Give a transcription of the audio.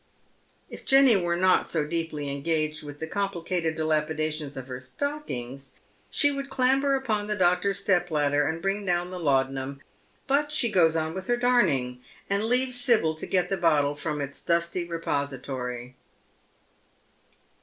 If Jenny were not so deeply engaged with the complicated dilapidations of her stockings she would clamber upon the doctor's step ladder and bring down the laudanum, but she goes on with her darning, and leaves Sibyl to get the bottle from its dusty repository.